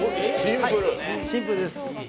シンプルです。